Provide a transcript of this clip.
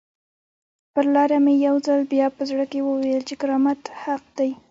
پر لاره مې یو ځل بیا په زړه کې وویل چې کرامت حق دی.